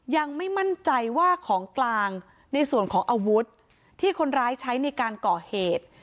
ยังไม่มั่นใจว่าของกลางในส่วนของอาวุธที่คนร้ายใช้ในการก่อเหตุ